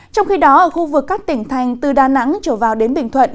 trong khi đó ở khu vực các tỉnh thành từ đà nẵng trở vào đến bình thuận